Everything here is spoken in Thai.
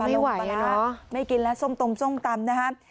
ไม่ไหวอ่ะไม่กินแล้วส้มตมส้มตำนะครับ